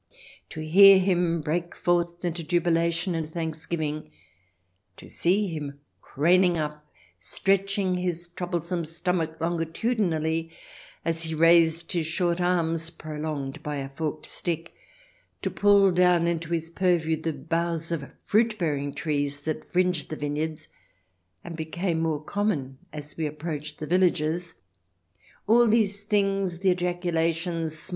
To hear him break forth into jubilation and thanksgiving, to see him craning up, stretching his troublesome stomach longitudinally as he raised his short arms, prolonged by a forked stick, to pull down into his purview the boughs of fruit bearing trees that fringed the vine yards, and became more common as we approached the villages — all these things, ejaculations, smiles, CH.